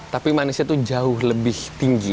tapi manisnya itu jauh lebih tinggi